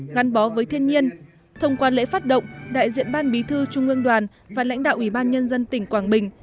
ngắn bó với thiên nhiên thông qua lễ phát động đại diện ban bí thư trung ương đoàn và lãnh đạo ủy ban nhân dân tỉnh quảng bình